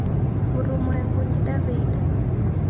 W'urumwengunyi daw'eida